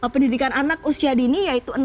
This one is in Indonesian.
pendidikan anak usia dini yaitu